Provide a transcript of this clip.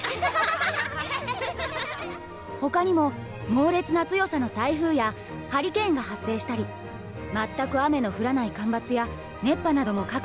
ほかにも猛烈な強さの台風やハリケーンが発生したり全く雨の降らない干ばつや熱波なども各地で観測されています。